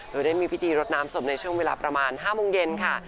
โดยได้มีพิธีรดน้ำศพในช่วงเวลาประมาณ๕โมงเย็นค่ะ